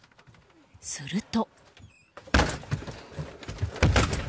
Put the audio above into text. すると。